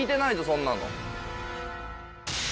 そんなの。